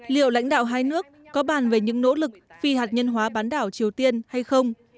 liệu lãnh đạo hai nước có bàn về những nỗ lực phi hạt nhân hóa bán đảo triều tiên hay không